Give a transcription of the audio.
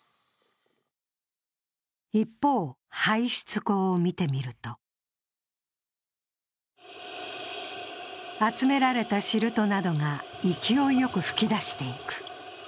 一方、排出口を見てみると集められたシルトなどが勢いよく噴き出していく。